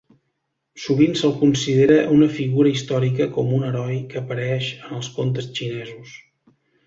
Sovint se'l considera una figura històrica com un heroi que apareix en els contes xinesos.